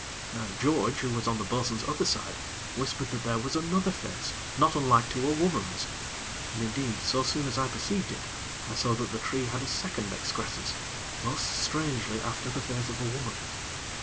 Now, George, who was on the bo'sun's other side, whispered that there was another face, not unlike to a woman's, and, indeed, so soon as I perceived it, I saw that the tree had a second excrescence, most strangely after the face of a woman.